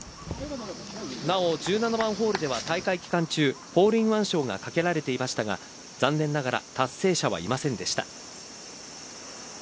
なお、１７番ホールでは大会期間中、ホールインワン賞がかけられていましたが残念ながら達成者はいませんでした。